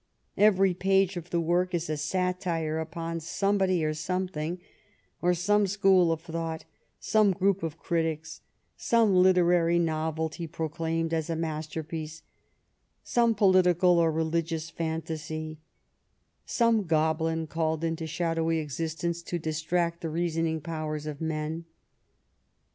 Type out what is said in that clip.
Every page of the work is a satire upon somebody or something, on some school of thought, some group of critics, some literary novelty proclaimed as a masterpiece, some political or religious phantasy, some goblin called into shadowy existence to distract the reasoning powers of men.